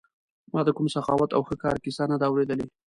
ما د کوم سخاوت او ښه کار کیسه نه ده اورېدلې.